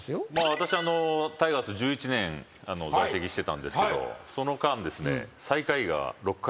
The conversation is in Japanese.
私タイガース１１年在籍してたんですけどその間ですね最下位が６回。